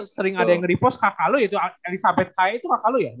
sering ada yang nge repost kakak lo elizabeth kai itu kakak lo ya